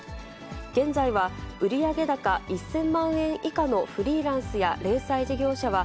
現在は売上高１０００万円以下のフリーランスや零細事業者は、